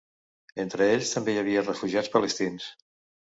Entre ells també hi havia refugiats palestins.